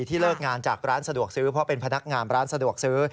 เลิกงานจากร้านสะดวกซื้อเพราะเป็นพนักงานร้านสะดวกซื้อ